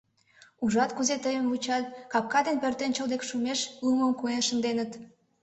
Ужат, кузе тыйым вучат, капка деч пӧртӧнчыл дек шумеш лумым куэнат шынденыт.